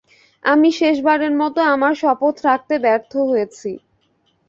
আমি শেষবারের মতো আমার শপথ রাখতে ব্যর্থ হয়েছি।